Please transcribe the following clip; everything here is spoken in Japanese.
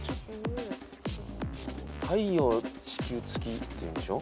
太陽地球月っていうんでしょ？